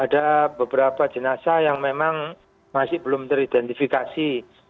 ada beberapa jenazah yang memang masih belum teridentifikasi